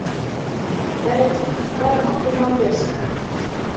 Tēt, varam aprunāties?